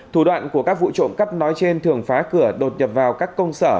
thủ đoạn của các vụ trộm cắp nói trên thường phá cửa đột nhập vào các công sở